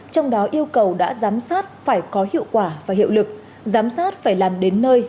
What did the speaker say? trong đó yêu cầu đã giám sát phải có hiệu quả và hiệu lực giám sát phải làm đến nơi